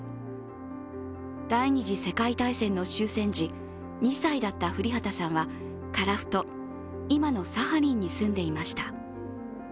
第二次世界大戦の終戦時２歳だった降籏さんは樺太、今のサハリンに住んでいました。